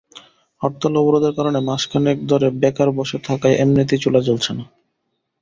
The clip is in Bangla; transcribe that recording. হরতাল-অবরোধের কারণে মাস খানেক ধরে বেকার বসে থাকায় এমনিতেই চুলা জ্বলছে না।